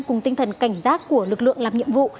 cùng tinh thần cảnh giác của lực lượng làm nhiệm vụ